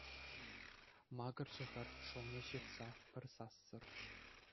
Макӑрчӗ хӗр, шӑлне ҫыртса, пӗр сассӑр.